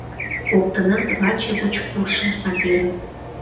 Коктынат ваче гоч куршым сакеныт.